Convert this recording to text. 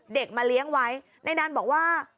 มาเลี้ยงไว้ในนั้นบอกว่า